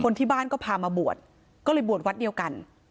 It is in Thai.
ที่บ้านก็พามาบวชก็เลยบวชวัดเดียวกัน